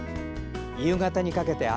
夕方にかけて雨。